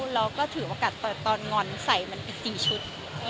เราก็ถือว่าตอนงอนใส่มันอื่น๔ชุด